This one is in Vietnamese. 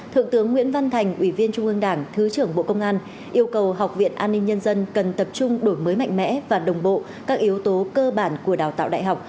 thượng tướng nguyễn văn thành ủy viên trung ương đảng thứ trưởng bộ công an yêu cầu học viện an ninh nhân dân cần tập trung đổi mới mạnh mẽ và đồng bộ các yếu tố cơ bản của đào tạo đại học